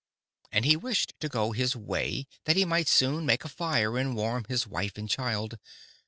And he wished to go his way, that he might soon make a fire and warm his wife and child.